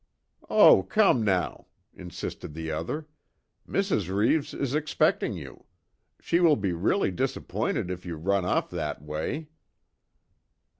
"Oh, come, now!" insisted the other. "Mrs. Reeves is expecting you. She will be really disappointed if you run off that way."